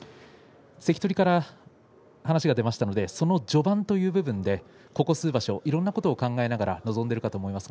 関取から話が出ましたのでその序盤という部分でここ数場所いろんなことを考えながら臨んでいるかと思います。